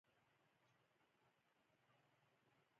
دا هم اسراف دی چې زړه دې غواړي.